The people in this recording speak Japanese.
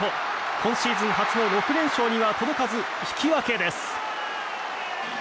今シーズン初の６連勝には届かず、引き分けです。